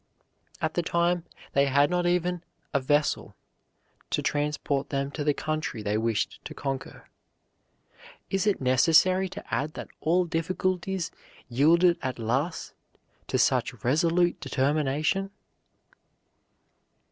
At the time they had not even a vessel to transport them to the country they wished to conquer. Is it necessary to add that all difficulties yielded at last to such resolute determination?